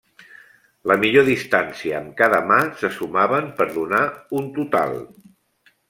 La millor distància amb cada mà se sumaven per donar un total.